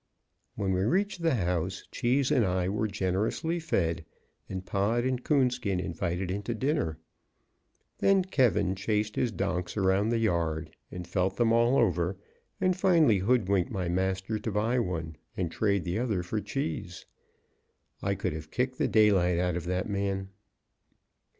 When we reached the house, Cheese and I were generously fed, and Pod and Coonskin invited into dinner. Then K chased his donks around the yard, and felt them all over, and finally hoodwinked my master to buy one, and trade the other for Cheese. I could have kicked the daylight out of that man.